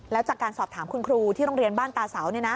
แล้วจากการสอบถามคุณครูที่โรงเรียนบ้านตาเสา